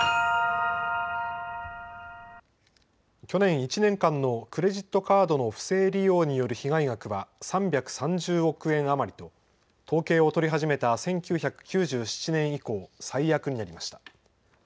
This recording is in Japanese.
去年１年間のクレジットカードの不正利用による被害額は３３０億円余りと統計を取り始めた１９９７年以降、最悪になりました。